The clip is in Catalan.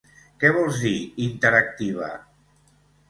Què vols dir, interactiva?